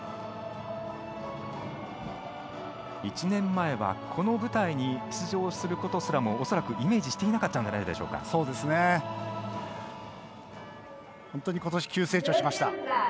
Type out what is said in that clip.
１年前は、この舞台に出場することすらも恐らくイメージしていなかったのでは本当にことし急成長しました。